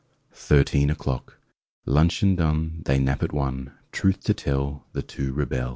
THIRTEEN O'CLOCK L uncheon done, ^ They nap at one; Truth to tell, The two rebel.